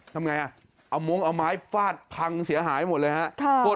ทำไงเอาม้วงเอาไม้ฟาดพังเสียหายหมดเลยครับ